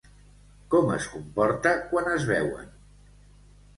Com es comporta quan es veuen?